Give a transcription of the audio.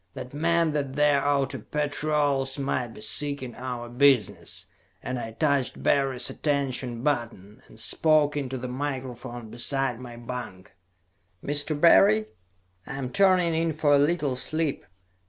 That meant that their outer patrols might be seeking our business, and I touched Barry's attention button, and spoke into the microphone beside my bunk. "Mr. Barry? I am turning in for a little sleep.